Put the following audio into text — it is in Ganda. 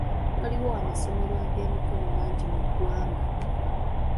Waliwo amasomero g'ebyemikono mangi mu ggwanga.